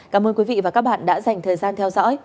cảm ơn quý vị và các bạn đã dành thời gian theo dõi